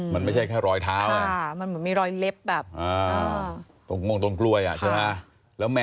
มันเป็นรอยตะกุยเป็นรอยเล็บ